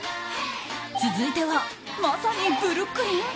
続いてはまさにブルックリン？